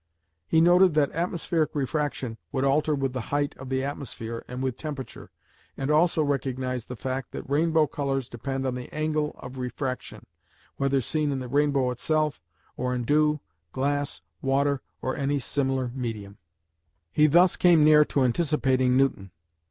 He noted that atmospheric refraction would alter with the height of the atmosphere and with temperature, and also recognised the fact that rainbow colours depend on the angle of refraction, whether seen in the rainbow itself, or in dew, glass, water, or any similar medium. He thus came near to anticipating Newton.